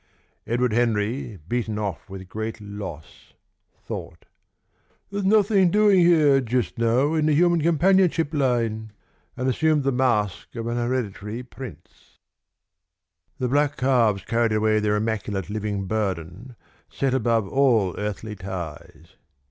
Edward Henry, beaten off with great loss, thought: "There's nothing doing here just now in the human companionship line," and assumed the mask of a hereditary prince. The black calves carried away their immaculate living burden, set above all earthly ties.